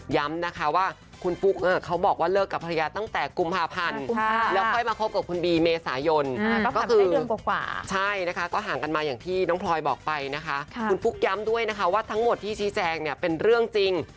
ย้ำด้วยว่าทั้งหมดที่ชี้แจงเนี่ยเป็นเรื่องจริง